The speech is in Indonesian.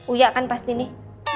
uyak kan pasti nih